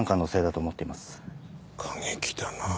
過激だな。